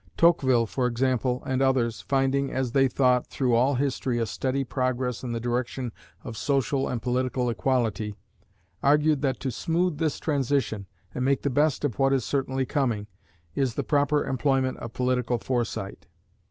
Tocqueville, for example, and others, finding, as they thought, through all history, a steady progress in the direction of social and political equality, argued that to smooth this transition, and make the best of what is certainly coming, is the proper employment of political foresight.